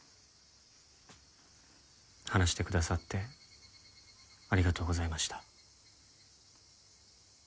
話してくださってありがとうございました。